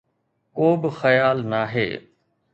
ڪو به خيال ناهي.